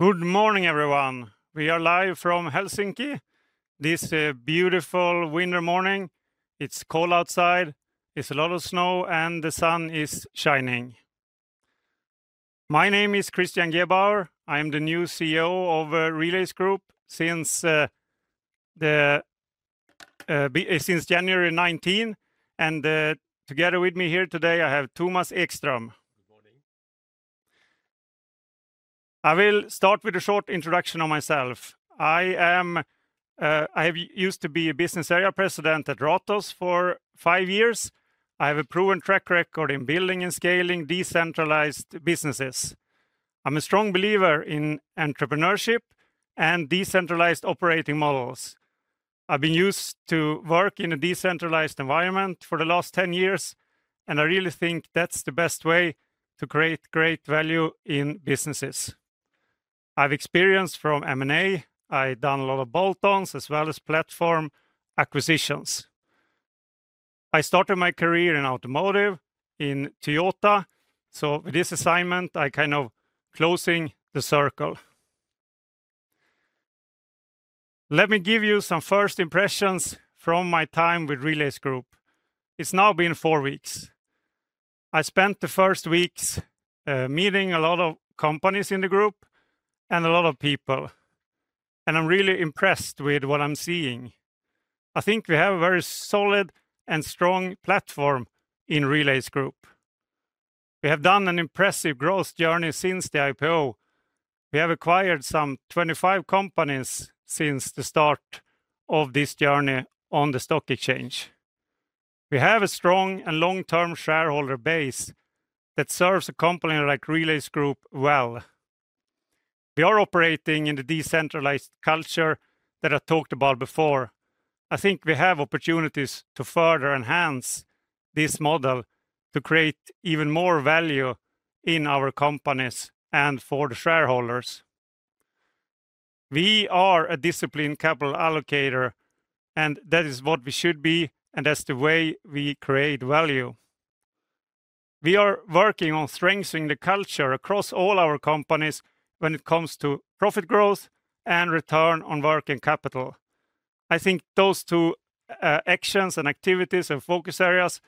Good morning, everyone. We are live from Helsinki, this beautiful winter morning. It's cold outside, it's a lot of snow, and the sun is shining. My name is Christian Gebauer. I'm the new CEO of Relais Group since January 19, and together with me here today, I have Thomas Ekström. Good morning. I will start with a short introduction of myself. I am. I have used to be a Business Area President at Ratos for 5 years. I have a proven track record in building and scaling decentralized businesses. I'm a strong believer in entrepreneurship and decentralized operating models. I've been used to work in a decentralized environment for the last 10 years, and I really think that's the best way to create great value in businesses. I've experience from M&A. I've done a lot of bolt-ons as well as platform acquisitions. I started my career in automotive in Toyota, so with this assignment, I kind of closing the circle. Let me give you some first impressions from my time with Relais Group. It's now been four weeks. I spent the first weeks, meeting a lot of companies in the group and a lot of people, and I'm really impressed with what I'm seeing. I think we have a very solid and strong platform in Relais Group. We have done an impressive growth journey since the IPO. We have acquired some 25 companies since the start of this journey on the stock exchange. We have a strong and long-term shareholder base that serves a company like Relais Group well. We are operating in the decentralized culture that I talked about before. I think we have opportunities to further enhance this model to create even more value in our companies and for the shareholders. We are a disciplined capital allocator, and that is what we should be, and that's the way we create value. We are working on strengthening the culture across all our companies when it comes to profit growth and return on working capital. I think those two actions and activities and focus areas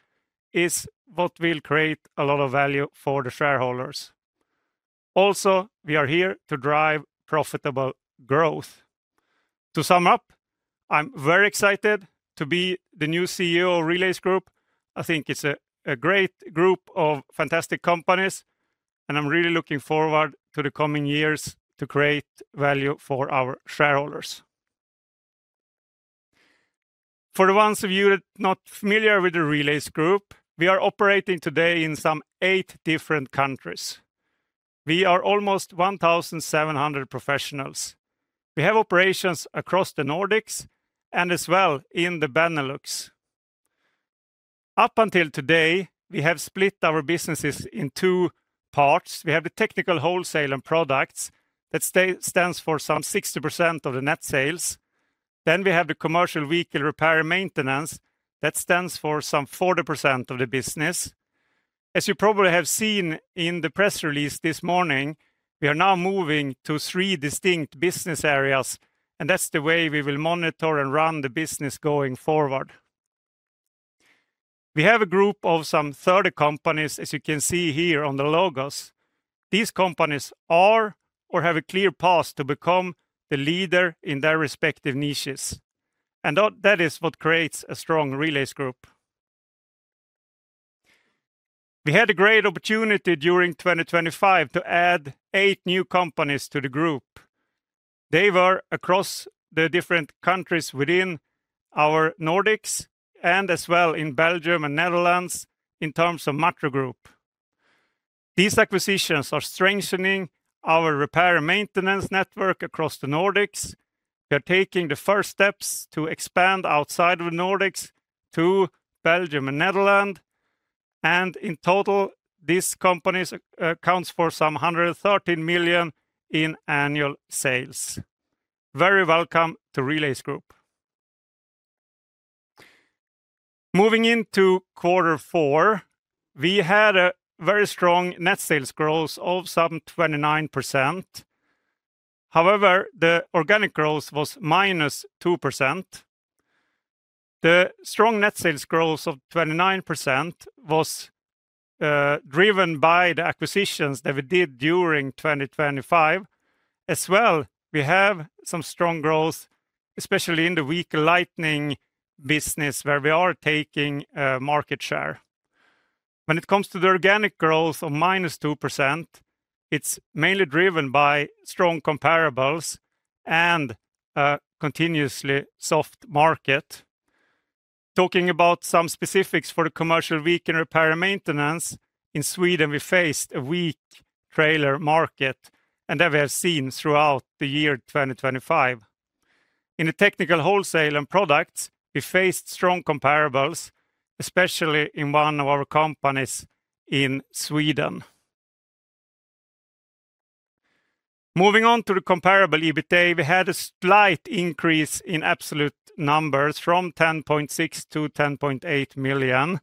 is what will create a lot of value for the shareholders. Also, we are here to drive profitable growth. To sum up, I'm very excited to be the new CEO of Relais Group. I think it's a great group of fantastic companies, and I'm really looking forward to the coming years to create value for our shareholders. For the ones of you not familiar with the Relais Group, we are operating today in some 8 different countries. We are almost 1,700 professionals. We have operations across the Nordics and as well in the Benelux. Up until today, we have split our businesses in two parts. We have the Technical Wholesale and Products that stands for some 60% of the net sales. Then we have the Commercial Vehicle Repair and Maintenance that stands for some 40% of the business. As you probably have seen in the press release this morning, we are now moving to three distinct business areas, and that's the way we will monitor and run the business going forward. We have a group of some 30 companies, as you can see here on the logos. These companies are or have a clear path to become the leader in their respective niches, and that, that is what creates a strong Relais Group. We had a great opportunity during 2025 to add eight new companies to the group. They were across the different countries within our Nordics and as well in Belgium and Netherlands in terms of Matro Group. These acquisitions are strengthening our repair and maintenance network across the Nordics. We are taking the first steps to expand outside of the Nordics to Belgium and Netherlands, and in total, these companies accounts for some 113 million in annual sales. Very welcome to Relais Group. Moving into quarter four, we had a very strong net sales growth of some 29%. However, the organic growth was -2%. The strong net sales growth of 29% was driven by the acquisitions that we did during 2025. As well, we have some strong growth, especially in the vehicle lighting business, where we are taking market share. When it comes to the organic growth of -2%, it's mainly driven by strong comparables and a continuously soft market. Talking about some specifics for the Commercial Vehicle Repair and Maintenance, in Sweden, we faced a weak trailer market, and that we have seen throughout the year 2025. In the Technical Wholesale and Products, we faced strong comparables, especially in one of our companies in Sweden. Moving on to the Comparable EBITA, we had a slight increase in absolute numbers from 10.6 million to 10.8 million.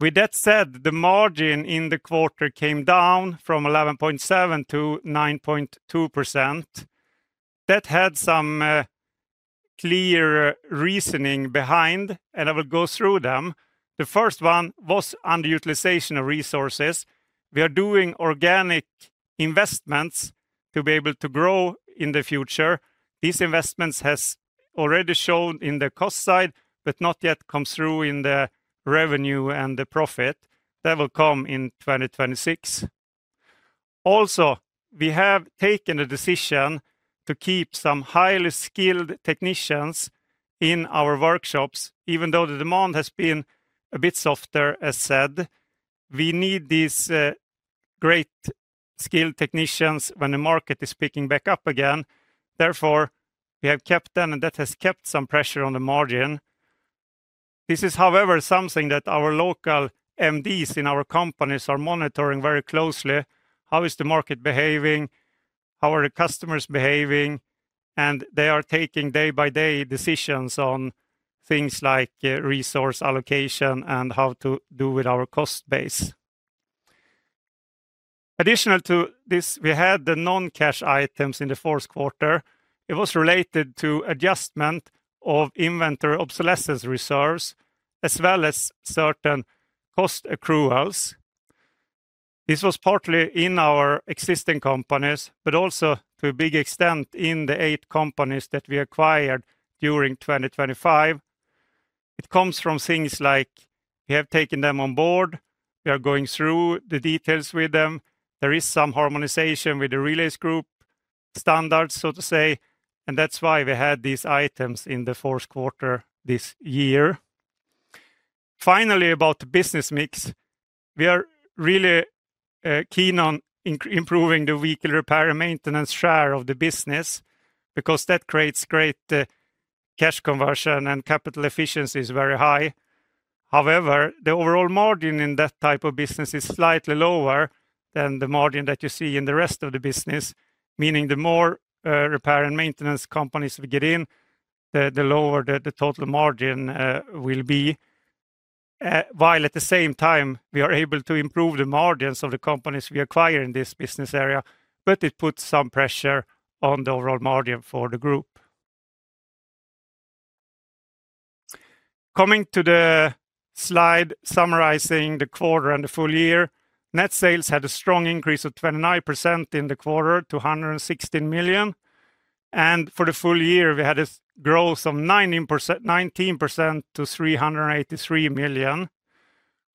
With that said, the margin in the quarter came down from 11.7% to 9.2%. That had some clear reasoning behind, and I will go through them. The first one was underutilization of resources. We are doing organic investments to be able to grow in the future. These investments has already shown in the cost side, but not yet come through in the revenue and the profit. That will come in 2026. Also, we have taken the decision to keep some highly skilled technicians in our workshops, even though the demand has been a bit softer, as said. We need these great skilled technicians when the market is picking back up again. Therefore, we have kept them, and that has kept some pressure on the margin. This is, however, something that our local MDs in our companies are monitoring very closely. How is the market behaving? How are the customers behaving? They are taking day-by-day decisions on things like resource allocation and how to do with our cost base. In addition to this, we had the non-cash items in the fourth quarter. It was related to adjustment of inventory obsolescence reserves, as well as certain cost accruals. This was partly in our existing companies, but also to a big extent in the eight companies that we acquired during 2025. It comes from things like we have taken them on board, we are going through the details with them. There is some harmonization with the Relais Group standards, so to say, and that's why we had these items in the fourth quarter this year. Finally, about the business mix, we are really keen on improving the commercial vehicle repair and maintenance share of the business because that creates great cash conversion and capital efficiency is very high. However, the overall margin in that type of business is slightly lower than the margin that you see in the rest of the business. Meaning the more, repair and maintenance companies we get in, the, the lower the, the total margin, will be. While at the same time, we are able to improve the margins of the companies we acquire in this business area, but it puts some pressure on the overall margin for the group. Coming to the slide summarizing the quarter and the full year, net sales had a strong increase of 29% in the quarter to 116 million, and for the full year, we had a growth of 19%, 19% to 383 million.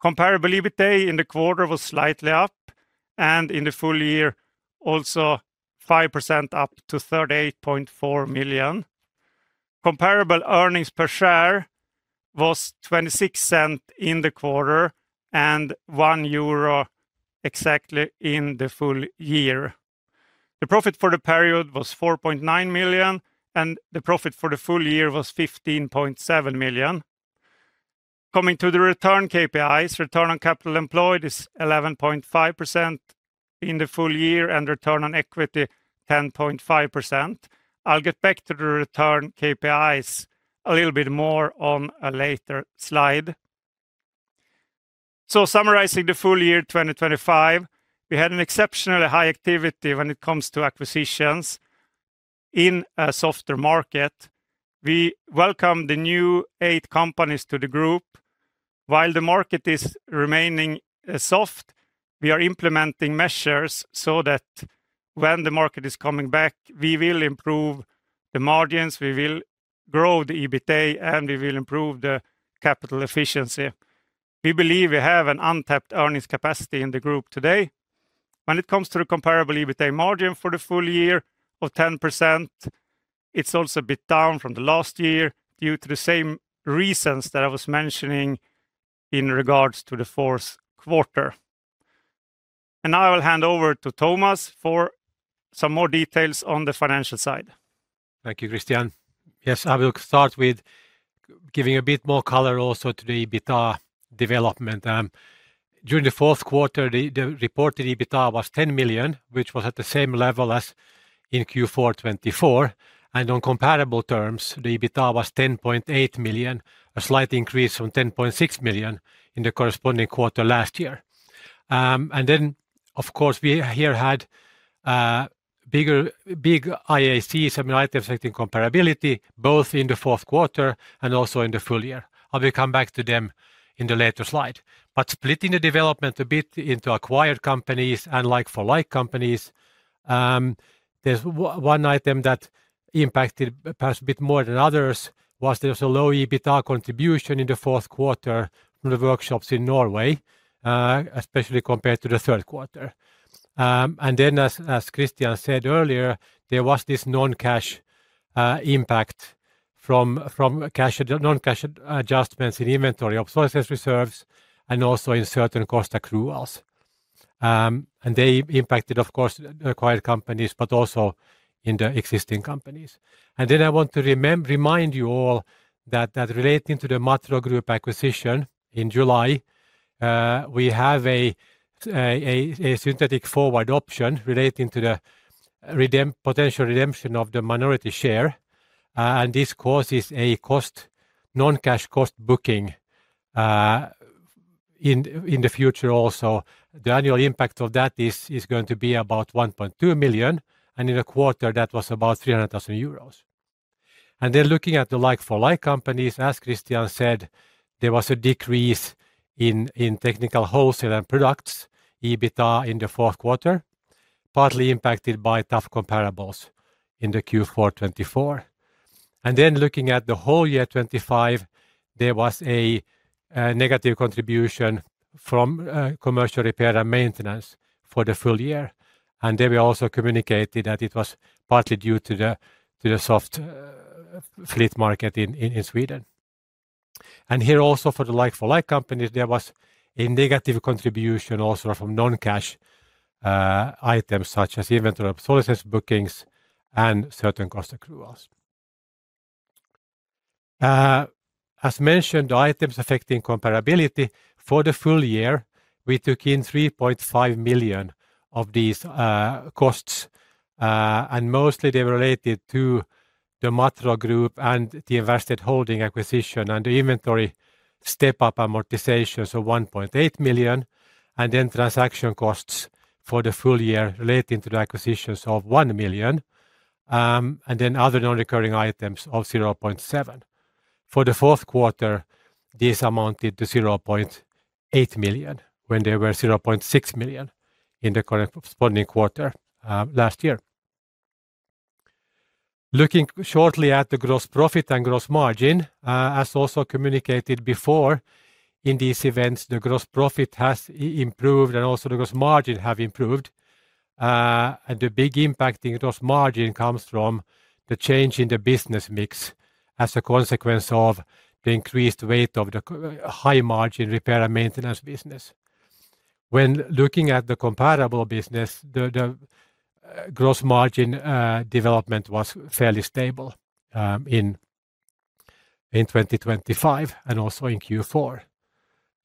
Comparable EBITA in the quarter was slightly up, and in the full year, also 5% up to 38.4 million. Comparable earnings per share was 0.26 EUR in the quarter and 1 euro exactly in the full year. The profit for the period was 4.9 million, and the profit for the full year was 15.7 million. Coming to the return KPIs, return on capital employed is 11.5% in the full year, and return on equity, 10.5%. I'll get back to the return KPIs a little bit more on a later slide. So summarizing the full year 2025, we had an exceptionally high activity when it comes to acquisitions in a softer market. We welcome the new eight companies to the group. While the market is remaining soft, we are implementing measures so that when the market is coming back, we will improve the margins, we will grow the EBITA, and we will improve the capital efficiency. We believe we have an untapped earnings capacity in the group today. When it comes to the Comparable EBITA margin for the full year of 10%, it's also a bit down from the last year due to the same reasons that I was mentioning in regards to the fourth quarter. Now I will hand over to Thomas for some more details on the financial side. Thank you, Christian. Yes, I will start with giving a bit more color also to the EBITA development. During the fourth quarter, the reported EBITA was 10 million, which was at the same level as in Q4 2024, and on comparable terms, the EBITA was 10.8 million, a slight increase from 10.6 million in the corresponding quarter last year. And then, of course, we here had big IAC, some item affecting comparability, both in the fourth quarter and also in the full year. I will come back to them in the later slide. Splitting the development a bit into acquired companies and like for like companies, there's one item that impacted perhaps a bit more than others: there was a low EBITA contribution in the fourth quarter from the workshops in Norway, especially compared to the third quarter. Then as Christian said earlier, there was this non-cash impact from non-cash adjustments in inventory obsolescence reserves and also in certain cost accruals. They impacted, of course, acquired companies, but also in the existing companies. Then I want to remind you all that relating to the Matro Group acquisition in July, we have a synthetic forward option relating to the potential redemption of the minority share, and this causes a non-cash cost booking in the future also. The annual impact of that is going to be about 1.2 million, and in a quarter, that was about 300,000 euros. Then looking at the like-for-like companies, as Christian said, there was a decrease in Technical Wholesale and Products, EBITA in the fourth quarter, partly impacted by tough comparables in the Q4 2024. Then looking at the whole year 2025, there was a negative contribution from Commercial Repair and Maintenance for the full year. They were also communicated that it was partly due to the soft fleet market in Sweden. Here also for the like-for-like companies, there was a negative contribution also from non-cash items such as inventory obsolescence bookings, and certain cost accruals. As mentioned, items affecting comparability for the full year, we took in 3.5 million of these costs, and mostly they were related to the Matro Group and the invested holding acquisition, and the inventory step-up amortizations of 1.8 million, and then transaction costs for the full year relating to the acquisitions of 1 million, and then other non-recurring items of 0.7 million. For the fourth quarter, this amounted to 0.8 million, when there were 0.6 million in the corresponding quarter last year. Looking shortly at the gross profit and gross margin, as also communicated before in these events, the gross profit has improved and also the gross margin have improved. And the big impact in gross margin comes from the change in the business mix as a consequence of the increased weight of the co- high-margin repair and maintenance business. When looking at the comparable business, the gross margin development was fairly stable in 2025 and also in Q4.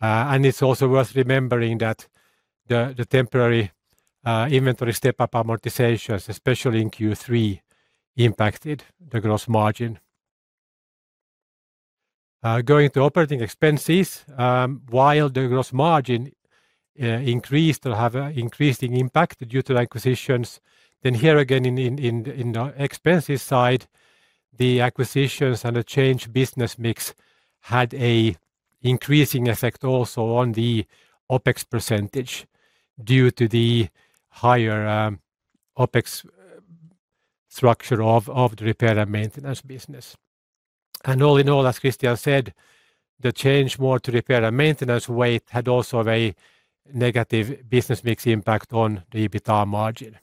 And it's also worth remembering that the temporary inventory step-up amortizations, especially in Q3, impacted the gross margin. Going to operating expenses, while the gross margin increased or have an increasing impact due to the acquisitions, then here again, in the expenses side, the acquisitions and the change business mix had a increasing effect also on the OpEx percentage due to the higher OpEx structure of the repair and maintenance business. All in all, as Christian said, the change more to repair and maintenance weight had also a very negative business mix impact on the EBITDA margin.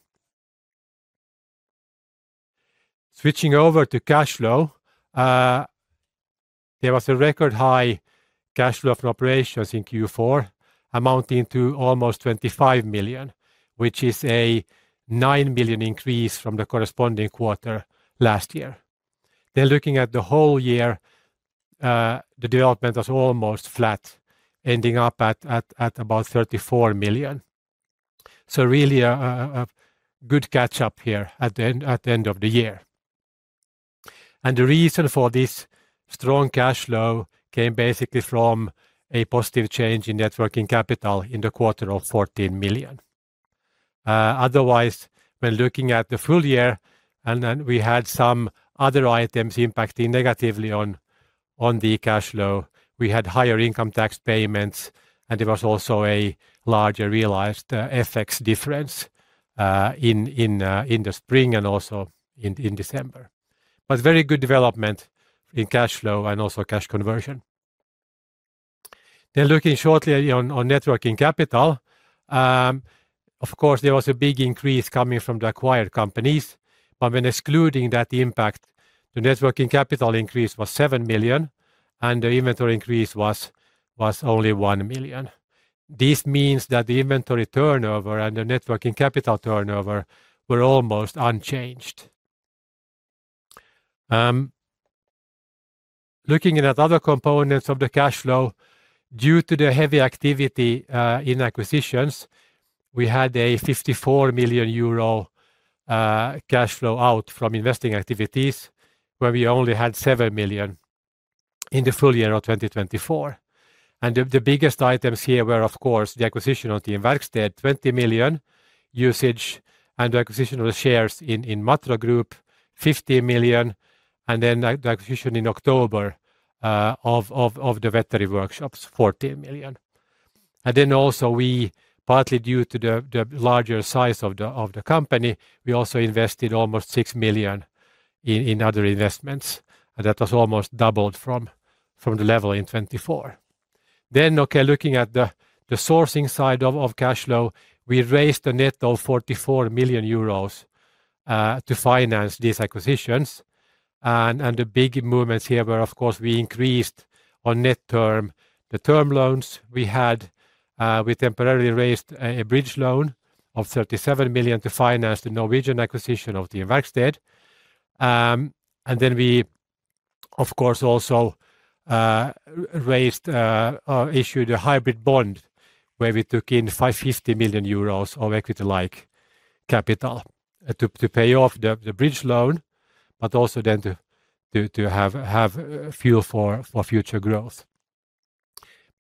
Switching over to cash flow, there was a record high cash flow from operations in Q4, amounting to almost 25 million, which is a 9 million increase from the corresponding quarter last year. Then looking at the whole year, the development was almost flat, ending up at about 34 million. So really a good catch-up here at the end of the year. And the reason for this strong cash flow came basically from a positive change in net working capital in the quarter of 14 million. Otherwise, when looking at the full year, and then we had some other items impacting negatively on the cash flow, we had higher income tax payments, and there was also a larger realized FX difference in the spring and also in December. But very good development in cash flow and also cash conversion. Then looking shortly on net working capital, of course, there was a big increase coming from the acquired companies, but when excluding that impact, the net working capital increase was 7 million, and the inventory increase was only 1 million. This means that the inventory turnover and the net working capital turnover were almost unchanged. Looking at other components of the cash flow, due to the heavy activity in acquisitions, we had a 54 million euro cash flow out from investing activities, where we only had 7 million in the full year of 2024. The biggest items here were, of course, the acquisition of the Team Verksted, 20 million, usage and acquisition of the shares in Matro Group, 50 million, and then the acquisition in October of the Wetteri Workshops, 14 million. Then also we, partly due to the larger size of the company, we also invested almost 6 million in other investments, and that was almost doubled from the level in 2024. Okay, looking at the sourcing side of cash flow, we raised a net of 44 million euros to finance these acquisitions. The big movements here were, of course, we increased our net debt, the term loans we had. We temporarily raised a bridge loan of 37 million to finance the Norwegian acquisition of the Team Verksted. Of course, also, we raised or issued a hybrid bond, where we took in 550 million euros of equity-like capital to pay off the bridge loan, but also then to have fuel for future growth.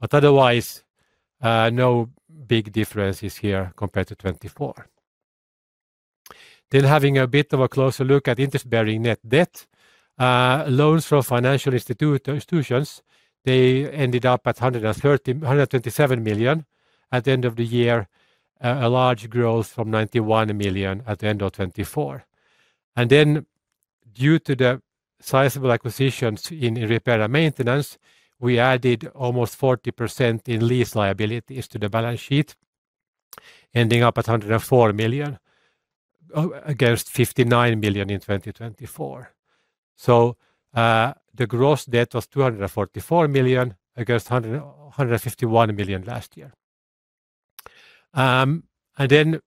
Otherwise, no big differences here compared to 2024. Then, having a bit of a closer look at interest-bearing net debt, loans from financial institutions, they ended up at 127 million at the end of the year. A large growth from 91 million at the end of 2024. And then due to the sizable acquisitions in repair and maintenance, we added almost 40% in lease liabilities to the balance sheet, ending up at 104 million against 59 million in 2024. So, the gross debt was 244 million against 151 million last year. And then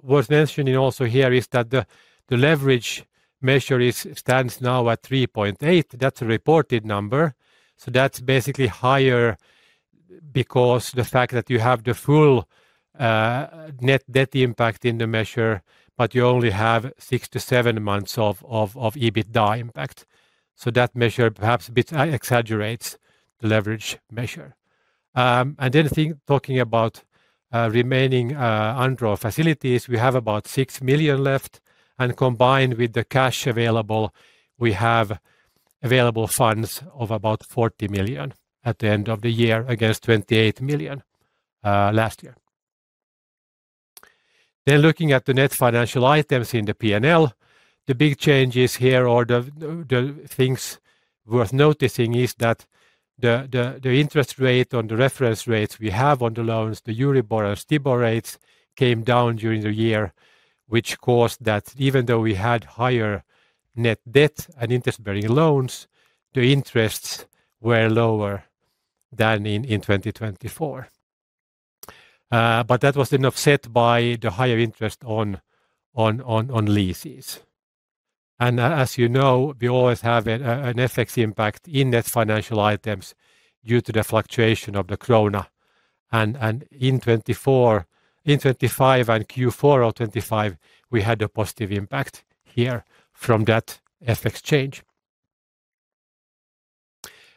worth mentioning also here is that the leverage measure stands now at 3.8. That's a reported number, so that's basically higher because the fact that you have the full net debt impact in the measure, but you only have 6-7 months of EBITDA impact. So that measure perhaps a bit exaggerates the leverage measure. And then talking about remaining undrawn facilities, we have about 6 million left, and combined with the cash available, we have available funds of about 40 million at the end of the year, against 28 million last year. Then looking at the net financial items in the P&L, the big changes here or the things worth noticing is that the interest rate on the reference rates we have on the loans, the Euribor and STIBOR rates, came down during the year, which caused that even though we had higher net debt and interest-bearing loans, the interests were lower than in 2024. But that was then offset by the higher interest on leases. And as you know, we always have an FX impact in net financial items due to the fluctuation of the krona. In 2025 and Q4 of 2025, we had a positive impact here from that FX change.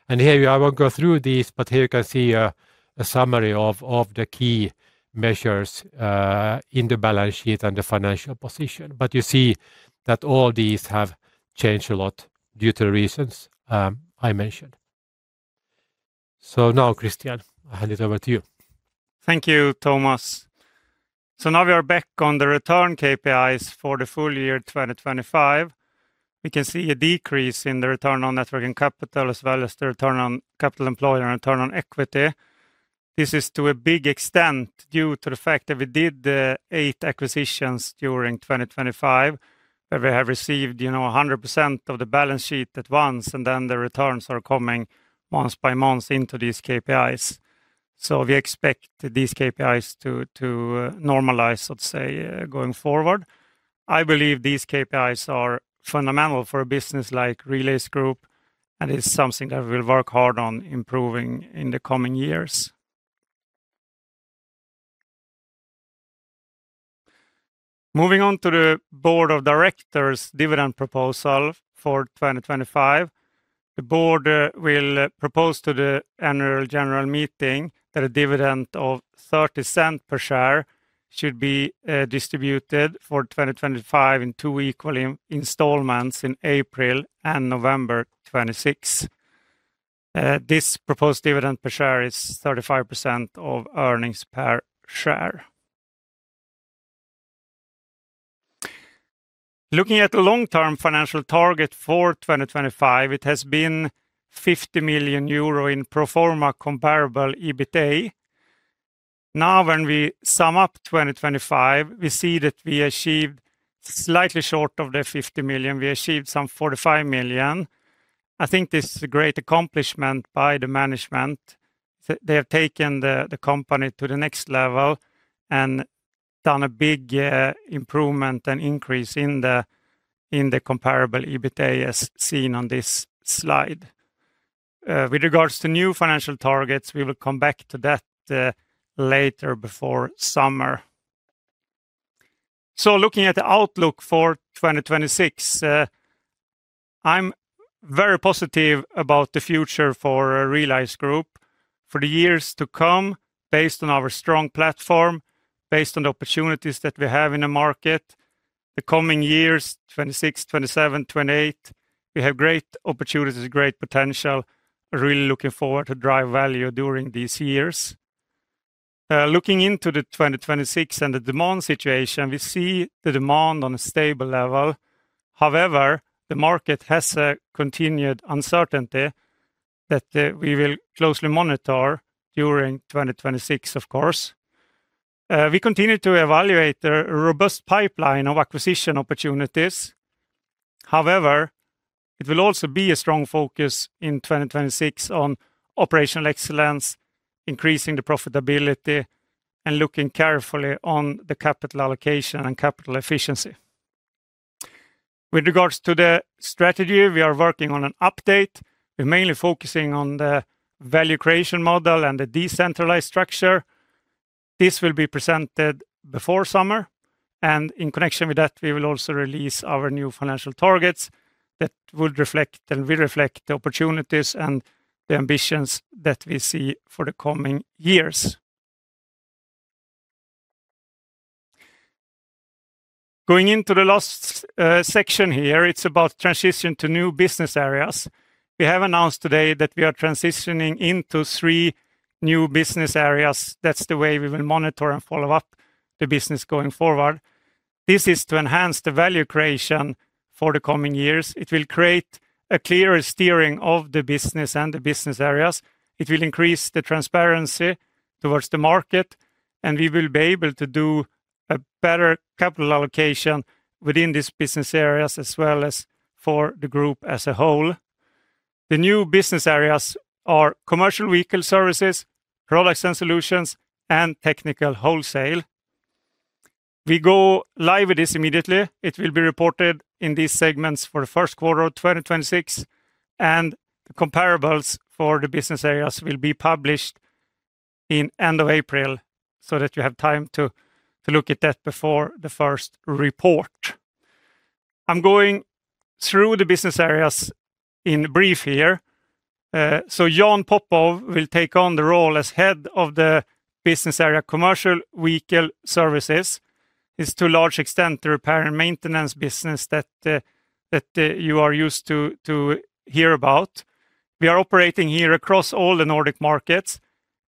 Here, I won't go through these, but here you can see a summary of the key measures in the balance sheet and the financial position. But you see that all these have changed a lot due to the reasons I mentioned. So now, Christian, I hand it over to you. Thank you, Thomas. So now we are back on the return KPIs for the full year 2025. We can see a decrease in the return on net working capital, as well as the return on capital employed and return on equity. This is to a big extent, due to the fact that we did the 8 acquisitions during 2025, where we have received, you know, 100% of the balance sheet at once, and then the returns are coming month by month into these KPIs. So we expect these KPIs to normalize, let's say, going forward. I believe these KPIs are fundamental for a business like Relais Group, and it's something that we'll work hard on improving in the coming years. Moving on to the board of directors' dividend proposal for 2025, the board will propose to the annual general meeting that a dividend of 30 cents per share should be distributed for 2025 in two equal installments in April and November 2026. This proposed dividend per share is 35% of earnings per share. Looking at the long-term financial target for 2025, it has been 50 million euro in pro forma Comparable EBITA. Now, when we sum up 2025, we see that we achieved slightly short of the 50 million. We achieved some 45 million. I think this is a great accomplishment by the management. They have taken the company to the next level and done a big improvement and increase in the Comparable EBITA, as seen on this slide. With regards to new financial targets, we will come back to that later before summer. So looking at the outlook for 2026, I'm very positive about the future for Relais Group for the years to come, based on our strong platform, based on the opportunities that we have in the market. The coming years, 2026, 2027, 2028, we have great opportunities, great potential. Really looking forward to drive value during these years. Looking into the 2026 and the demand situation, we see the demand on a stable level. However, the market has a continued uncertainty that we will closely monitor during 2026, of course. We continue to evaluate the robust pipeline of acquisition opportunities. However, it will also be a strong focus in 2026 on operational excellence, increasing the profitability and looking carefully on the capital allocation and capital efficiency. With regards to the strategy, we are working on an update. We're mainly focusing on the value creation model and the decentralized structure. This will be presented before summer, and in connection with that, we will also release our new financial targets that would reflect, and will reflect the opportunities and the ambitions that we see for the coming years. Going into the last section here, it's about transition to new business areas. We have announced today that we are transitioning into three new business areas. That's the way we will monitor and follow up the business going forward. This is to enhance the value creation for the coming years. It will create a clearer steering of the business and the business areas. It will increase the transparency towards the market, and we will be able to do a better capital allocation within these business areas, as well as for the group as a whole. The new business areas are Commercial Vehicle Services, Products and Solutions, and Technical Wholesale. We go live with this immediately. It will be reported in these segments for the first quarter of 2026, and the comparables for the business areas will be published at the end of April, so that you have time to look at that before the first report. I'm going through the business areas in brief here. So Jan Popov will take on the role as head of the business area, Commercial Vehicle Services. It's to a large extent the repair and maintenance business that you are used to hear about. We are operating here across all the Nordic markets.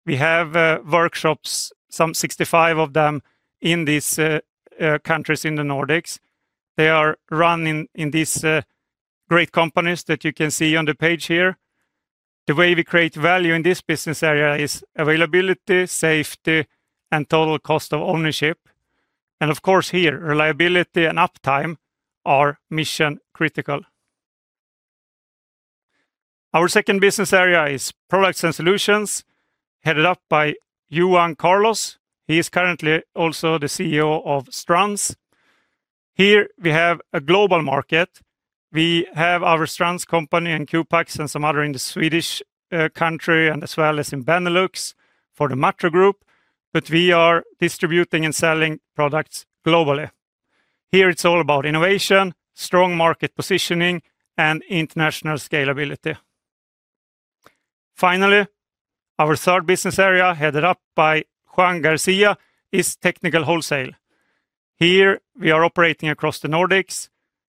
We have workshops, some 65 of them, in these countries in the Nordics. They are running in these great companies that you can see on the page here. The way we create value in this business area is availability, safety, and total cost of ownership. And of course, here, reliability and uptime are mission critical. Our second business area is Products and Solutions, headed up by Johan Carlos. He is currently also the CEO of Strands. Here, we have a global market. We have our Strands company and Qpax and some other in the Swedish country, and as well as in Benelux for the Matro Group, but we are distributing and selling products globally. Here, it's all about innovation, strong market positioning, and international scalability. Finally, our third business area, headed up by Juan Garcia, is Technical Wholesale. Here, we are operating across the Nordics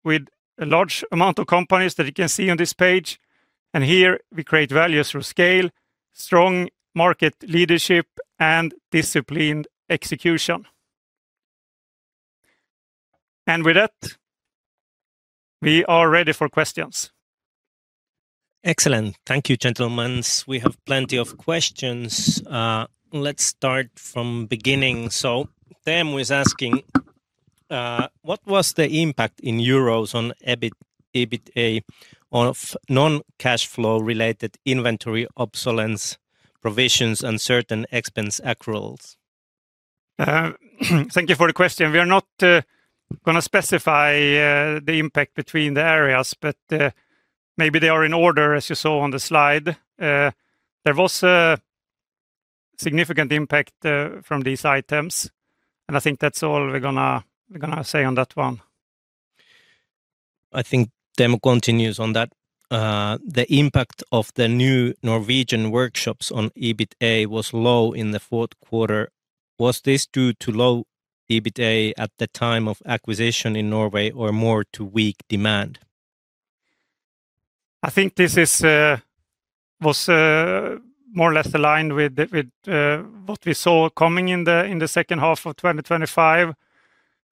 with a large amount of companies that you can see on this page, and here we create value through scale, strong market leadership, and disciplined execution. And with that, we are ready for questions. Excellent. Thank you, gentlemen. We have plenty of questions. Let's start from beginning. So Teemu is asking, "What was the impact in euros on EBIT, EBITDA of non-cash flow related inventory obsolescence, provisions, and certain expense accruals? Thank you for the question. We are not gonna specify the impact between the areas, but maybe they are in order, as you saw on the slide. There was a significant impact from these items, and I think that's all we're gonna say on that one. I think Teemu continues on that. "The impact of the new Norwegian workshops on EBITDA was low in the fourth quarter. Was this due to low EBITDA at the time of acquisition in Norway or more to weak demand? I think this is more or less aligned with the, with, what we saw coming in the, in the second half of 2025.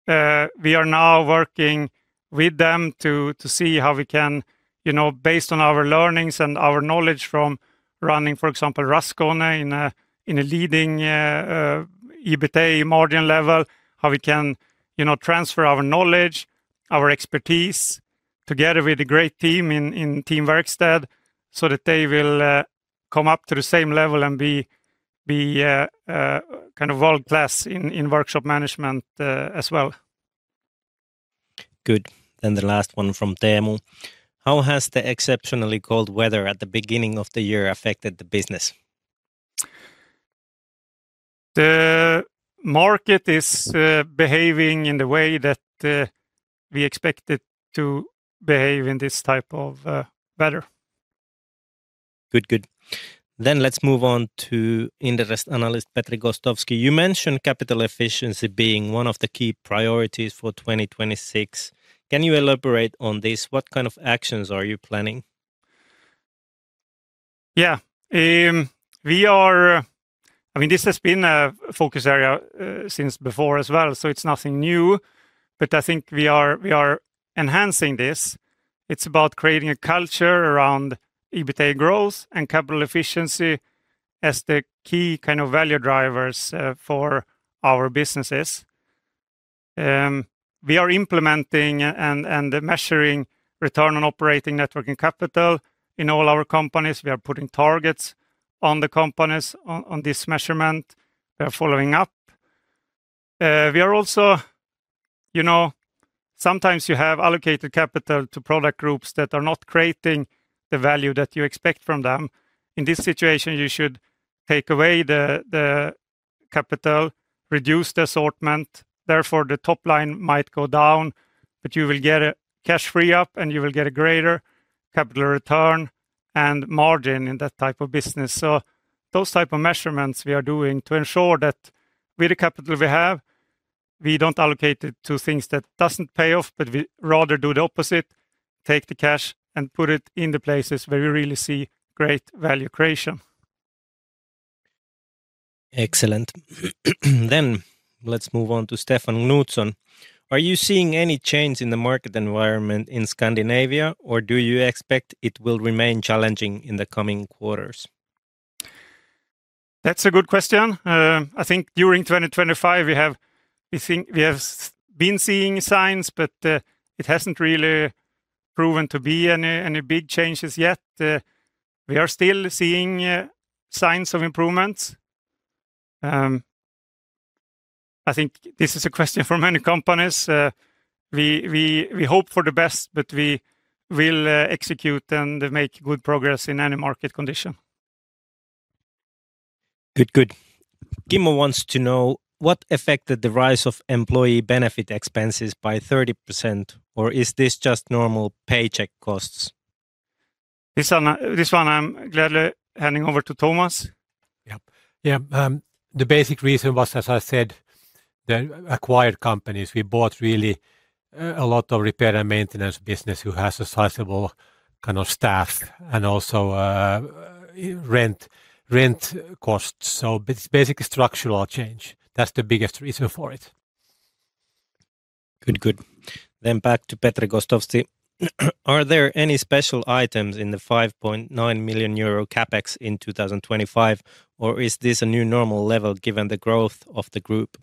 We are now working with them to, to see how we can, you know, based on our learnings and our knowledge from running, for example, Raskone in a, in a leading, EBITDA margin level, how we can, you know, transfer our knowledge, our expertise, together with a great team in, in Team Verksted, so that they will, come up to the same level and be, be, kind of world-class in, in workshop management, as well. Good. Then the last one from Teemu: "How has the exceptionally cold weather at the beginning of the year affected the business? The market is behaving in the way that we expect it to behave in this type of weather. Good. Good. Let's move on to industry analyst, Petri Gostowski. "You mentioned capital efficiency being one of the key priorities for 2026. Can you elaborate on this? What kind of actions are you planning? Yeah, I mean, this has been a focus area since before as well, so it's nothing new, but I think we are enhancing this. It's about creating a culture around EBITDA growth and capital efficiency as the key kind of value drivers for our businesses. We are implementing and measuring return on net working capital in all our companies. We are putting targets on the companies on this measurement. We are following up. We are also, you know, sometimes you have allocated capital to product groups that are not creating the value that you expect from them. In this situation, you should take away the capital, reduce the assortment, therefore, the top line might go down, but you will get a cash free up, and you will get a greater capital return and margin in that type of business. So those type of measurements we are doing to ensure that with the capital we have, we don't allocate it to things that doesn't pay off, but we rather do the opposite: take the cash and put it in the places where we really see great value creation. Excellent. Let's move on to Stefan Knutsson. Are you seeing any change in the market environment in Scandinavia, or do you expect it will remain challenging in the coming quarters? That's a good question. I think during 2025, we have- we think we have been seeing signs, but, it hasn't really proven to be any, any big changes yet. We are still seeing signs of improvements. I think this is a question for many companies. We, we, we hope for the best, but we will execute and make good progress in any market condition. Good. Good. Kimmo wants to know, what affected the rise of employee benefit expenses by 30%, or is this just normal paycheck costs? This one, this one I'm gladly handing over to Thomas. Yeah. Yeah, the basic reason was, as I said, the acquired companies. We bought really a lot of repair and maintenance business who has a sizable kind of staff and also rent costs. So it's basically structural change. That's the biggest reason for it. Good. Good. Then back to Petri Gostowski: Are there any special items in the 5.9 million euro CapEx in 2025, or is this a new normal level given the growth of the group?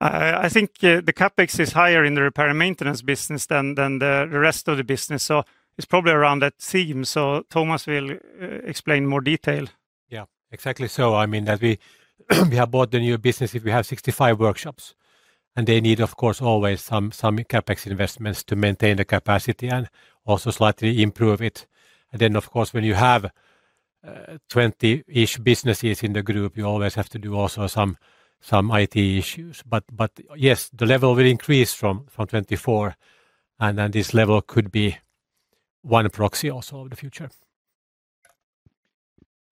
I think the CapEx is higher in the repair and maintenance business than the rest of the business, so it's probably around that theme. So Thomas will explain more detail. Yeah, exactly. So, I mean, that we have bought the new business. If we have 65 workshops, and they need, of course, always some CapEx investments to maintain the capacity and also slightly improve it. And then, of course, when you have 20-ish businesses in the group, you always have to do also some IT issues. But yes, the level will increase from 24, and then this level could be one proxy also of the future.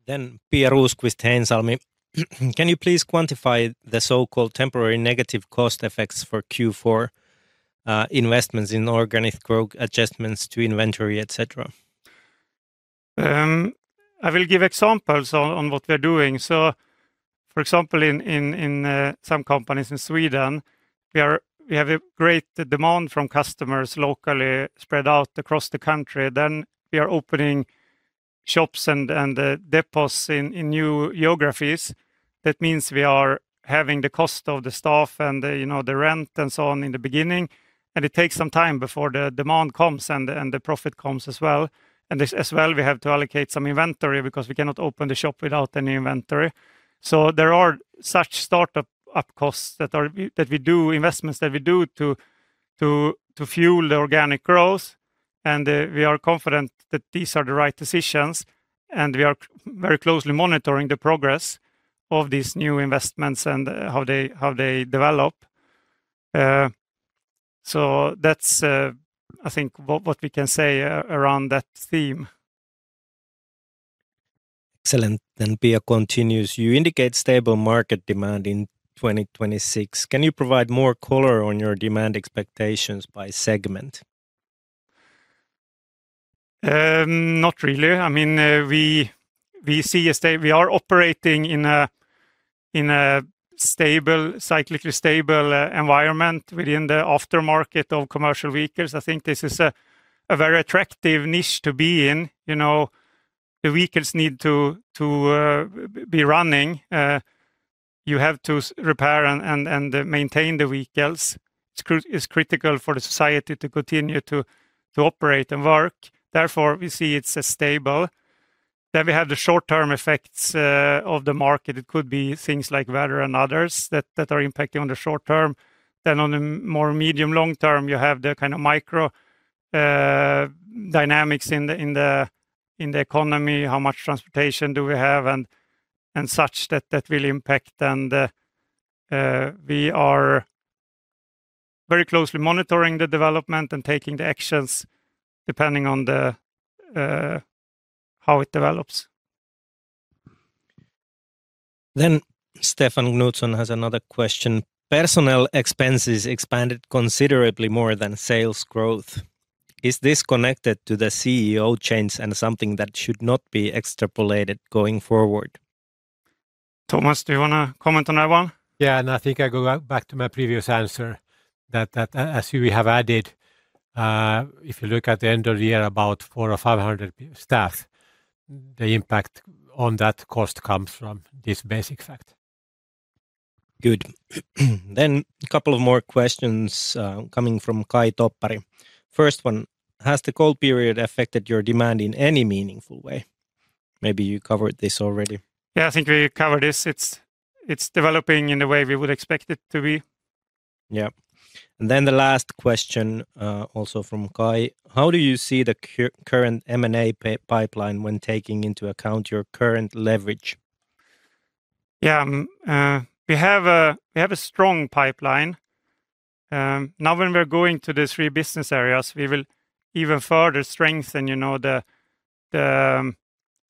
Pia Rosqvist-Heinsalmi, can you please quantify the so-called temporary negative cost effects for Q4, investments in organic growth, adjustments to inventory, et cetera? I will give examples on what we are doing. So for example, in some companies in Sweden, we have a great demand from customers locally spread out across the country. Then we are opening shops and depots in new geographies. That means we are having the cost of the staff and the, you know, the rent and so on in the beginning, and it takes some time before the demand comes and the profit comes as well. And this as well, we have to allocate some inventory because we cannot open the shop without any inventory. There are such startup costs that we do, investments that we do to fuel the organic growth, and we are confident that these are the right decisions, and we are very closely monitoring the progress of these new investments and how they develop. So that's, I think, what we can say around that theme. Excellent. Then Pia continues, "You indicate stable market demand in 2026. Can you provide more color on your demand expectations by segment? Not really. I mean, we see a—we are operating in a stable, cyclically stable environment within the aftermarket of commercial vehicles. I think this is a very attractive niche to be in. You know, the vehicles need to be running. You have to repair and maintain the vehicles. It's critical for the society to continue to operate and work. Therefore, we see it's stable. Then we have the short-term effects of the market. It could be things like weather and others that are impacting on the short term. Then on the more medium, long term, you have the kind of micro dynamics in the economy, how much transportation do we have, and such that will impact. We are very closely monitoring the development and taking the actions depending on how it develops. Stefan Knutsson has another question: Personnel expenses expanded considerably more than sales growth. Is this connected to the CEO change and something that should not be extrapolated going forward? Thomas, do you wanna comment on that one? Yeah, and I think I go back to my previous answer, that, that as we have added, if you look at the end of the year, about 400 or 500 staff-... the impact on that cost comes from this basic fact. Good. Then a couple of more questions, coming from Kai Toppari. First one: Has the cold period affected your demand in any meaningful way? Maybe you covered this already. Yeah, I think we covered this. It's developing in the way we would expect it to be. Yeah. Then the last question, also from Kai: How do you see the current M&A pipeline when taking into account your current leverage? Yeah, we have a strong pipeline. Now, when we're going to the three business areas, we will even further strengthen, you know, the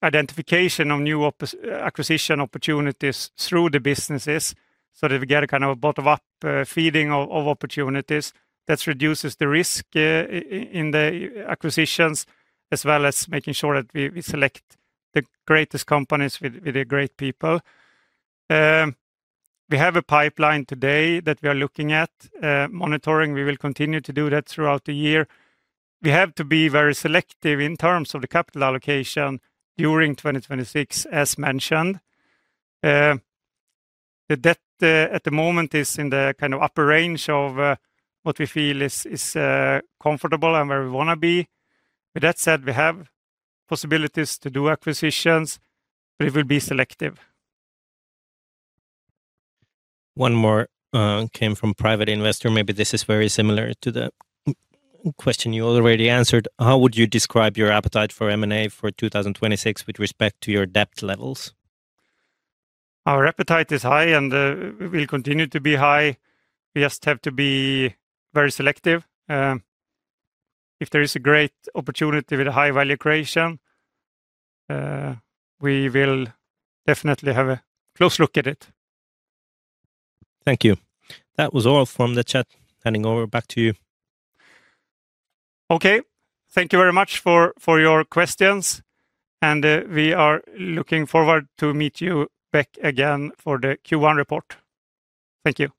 identification of new acquisition opportunities through the businesses, so that we get a kind of a bottom-up feeding of opportunities. That reduces the risk in the acquisitions, as well as making sure that we select the greatest companies with the great people. We have a pipeline today that we are looking at, monitoring. We will continue to do that throughout the year. We have to be very selective in terms of the capital allocation during 2026, as mentioned. The debt at the moment is in the kind of upper range of what we feel is comfortable and where we want to be. With that said, we have possibilities to do acquisitions, but it will be selective. One more came from private investor. Maybe this is very similar to the M&A question you already answered. How would you describe your appetite for M&A for 2026, with respect to your debt levels? Our appetite is high, and will continue to be high. We just have to be very selective. If there is a great opportunity with a high value creation, we will definitely have a close look at it. Thank you. That was all from the chat. Handing over back to you. Okay. Thank you very much for your questions, and we are looking forward to meet you back again for the Q1 report. Thank you. Thank you.